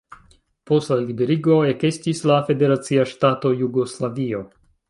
Post la liberigo ekestis la federacia ŝtato Jugoslavio.